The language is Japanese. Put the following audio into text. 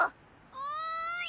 おい！